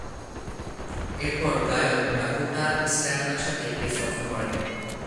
এরপর গায়ক ডাকোটা স্টাটনের সাথে একটি সফর করেন।